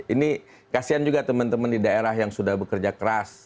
ini kasian juga teman teman di daerah yang sudah bekerja keras